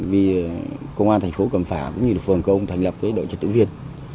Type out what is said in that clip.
vì công an thành phố cầm phả cũng như là phường của ông thành lập đội trật tự viên